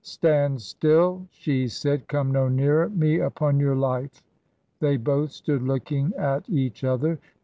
'Stand still I' she said, 'come no nearer me, upon your life I' They both stood looking at each other.